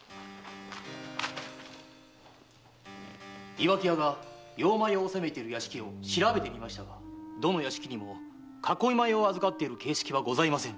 岩城屋が用米を納めている屋敷を調べてきましたがどの屋敷にも囲い米を預かっている形跡はございませぬ。